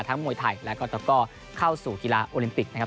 ทั้งมวยไทยและก็เข้าสู่กีฬาโอลิมปิกนะครับ